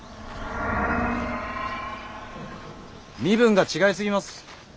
身分が違いすぎます。